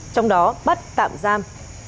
trong đó bắt tạm giam